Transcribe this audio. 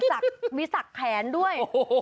แล้วก็มีสักแขนด้วย